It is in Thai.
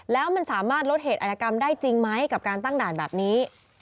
แล้วมันสามารถลดเหตุอัตกรรมได้จริงไหมกับการตั้งด่านแบบนี้